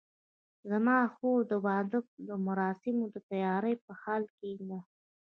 زما خور د واده د مراسمو د تیارۍ په حال کې ده